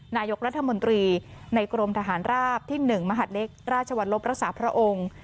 นายกรัฐมนตรีในกรมทหารราบที่๑มหาดเล็กราชวรรลบรักษาพระองค์